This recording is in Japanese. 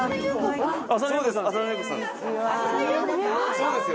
そうですよ。